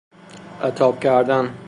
عتاب کردن